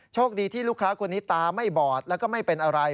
โชคดีที่ลูกค้าคนนี้ตาไม่บอดแล้วก็ไม่เป็นอะไร